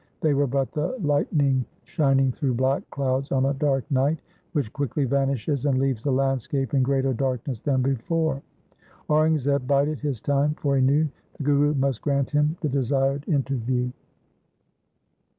They were but the light ning shining through black clouds on a dark night, which quickly vanishes and leaves the landscape in greater darkness than before. Aurangzeb bided his time, for he knew the Guru must grant him the desired interview.